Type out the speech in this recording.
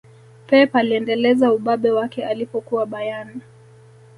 pep aliendeleza ubabe wake alipokuwa bayern